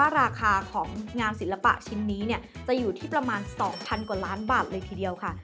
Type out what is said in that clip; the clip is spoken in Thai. ราคาของงานศิลปะชิ้นนี้จะอยู่ที่ประมาณ๒๐๐กว่าล้านบาทเลยทีเดียวค่ะ